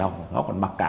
nó còn mặc cơm